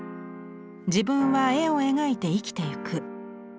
自分は絵を描いて生きてゆく。